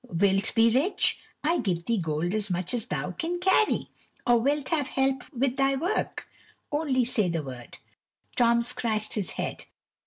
Wilt be rich? I'll give thee gold as much as thou can carry. Or wilt have help wi' thy work? Only say the word." Tom scratched his head.